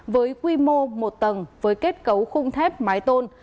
với quy mô một tầng với kết cấu khung thép mái tôn